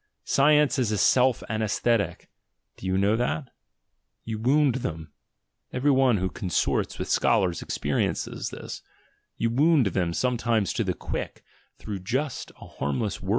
Science as a self anaesthetic: do you know that? You wound them — every one who consorts with scholars experiences this — you wound them sometimes to the quick through just a harm 1 62 THE GENEALOGY OF MORALS ..